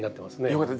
よかった。